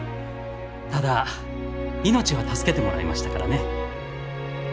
ただ命は助けてもらいましたからね。